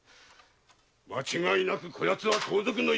間違いなくこやつは盗賊の一味。